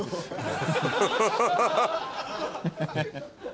ハハハハ。